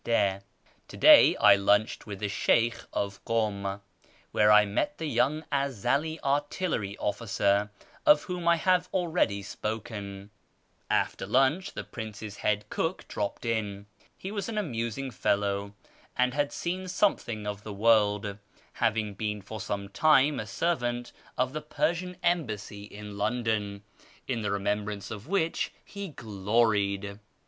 — To day I lunched with tbe Sheykh of Kum, where I met the young Ezeli artillery officer of whom I have already spoken. After lunch AMONGST THE KALANDARS 507 the prince's head cook dropped in. He was an amusing fellow, and had seen something of the world, haviDg been for some time a servant at the Persian Embassy in London, in the remembrance of which he gloried.